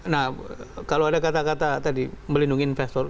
nah kalau ada kata kata tadi melindungi investor